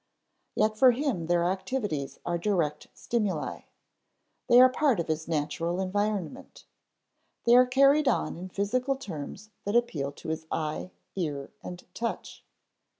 Yet for him their activities are direct stimuli; they are part of his natural environment; they are carried on in physical terms that appeal to his eye, ear, and touch.